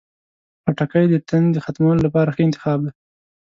خټکی د تندې ختمولو لپاره ښه انتخاب دی.